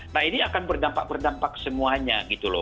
nah ini akan berdampak berdampak semuanya